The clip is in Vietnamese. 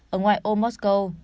ở ngoài ô moscow